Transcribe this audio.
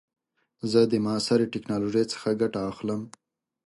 زه د معاصر ټکنالوژۍ څخه ګټه اخلم.